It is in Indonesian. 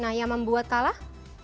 nah yang membuat kalah